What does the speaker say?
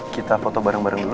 kita foto bareng bareng dulu